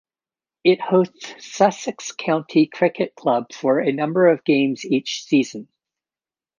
It hosts Sussex County Cricket Club for a number of games each season.